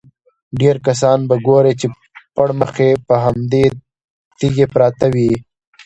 ډېری کسان به ګورې چې پړمخې پر همدې تیږې پراته وي.